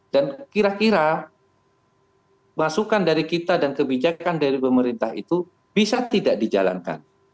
kira kira masukan dari kita dan kebijakan dari pemerintah itu bisa tidak dijalankan